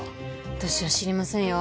私は知りませんよ。